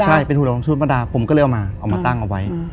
ใช่เป็นห่วงชุดประดาผมก็เลยเอามาเอามาตั้งเอาไว้